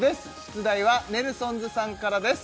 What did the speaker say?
出題はネルソンズさんからです